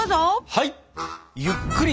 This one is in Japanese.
はい。